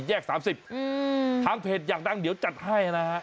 แยกสามสิบอืมทางเพจอยากนั่งเดี๋ยวจัดให้นะฮะ